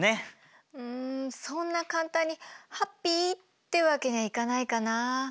うんそんな簡単にハッピーってわけにはいかないかな。